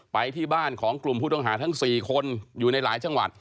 ไปที่บ้านของกลุ่มผู้ต้องหาทั้ง๔คนอยู่ในหลายจังหวัด